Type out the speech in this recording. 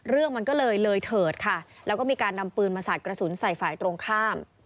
เรื่องมันก็เลยเลยเถิดค่ะแล้วก็มีการนำปืนมาสาดกระสุนใส่ฝ่ายตรงข้าม